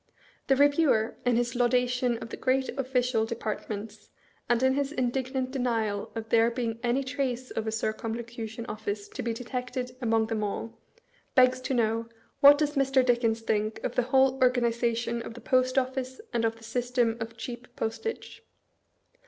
The Reviewer, in his laudation of the great ofB. cial departments, and in his indignant denial of there being any trace of a Circumlocution OfB.ce to be detected among them all, begs to know, " What does Mr. Dickens think of the whole organization of the Post Of&ce and of the system of cheap Postage?"